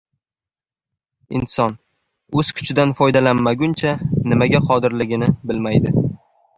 Inson o‘z kuchidan foydalanmaguncha, nimaga qodirligini bilmaydi.